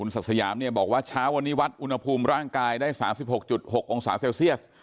ศักดิ์สยามเนี่ยบอกว่าเช้าวันนี้วัดอุณหภูมิร่างกายได้๓๖๖องศาเซลเซียส